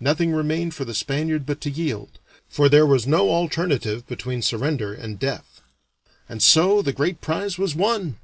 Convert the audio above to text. Nothing remained for the Spaniard but to yield, for there was no alternative between surrender and death. And so the great prize was won.